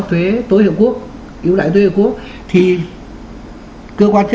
thuế tối hiệu quốc yếu đại tối hiệu quốc